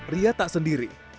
ria tak sendiri